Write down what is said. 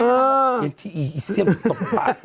เย็นที่อี๋เสี่ยงตกปาก